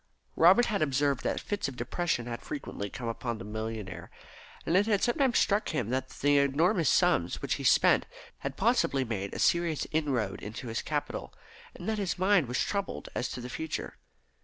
Robert had observed that fits of depression had frequently come upon the millionaire, and it had sometimes struck him that the enormous sums which he spent had possibly made a serious inroad into his capital, and that his mind was troubled as to the future.